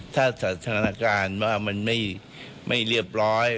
ถ้าสถานการณ์ว่ามันไม่เรียบร้อย